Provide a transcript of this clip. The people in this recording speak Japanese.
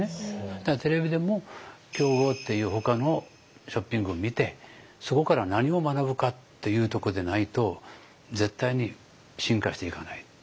だからテレビでも競合っていうほかのショッピングを見てそこから何を学ぶかっていうとこでないと絶対に進化していかない。